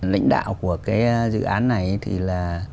lãnh đạo của cái dự án này thì là